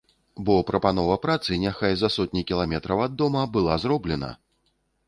Бо прапанова працы, няхай за сотні кіламетраў ад дома, была зроблена!